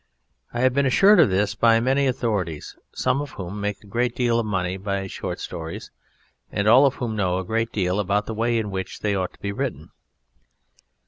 I have been assured of this by many authorities, some of whom make a great deal of money by short stories, and all of whom know a great deal about the way in which they ought to be written.